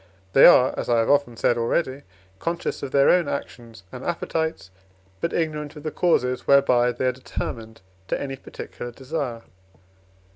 They are, as I have often said already, conscious of their own actions and appetites, but ignorant of the causes whereby they are determined to any particular desire.